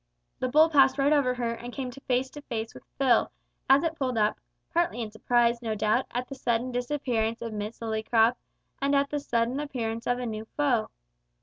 The bull passed right over her, and came face to face with Phil, as it pulled up, partly in surprise, no doubt, at the sudden disappearance of Miss Lillycrop and at the sudden appearance of a new foe.